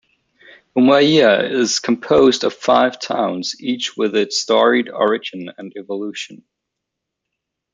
Umuahia is composed of five towns, each with its storied origin and evolution.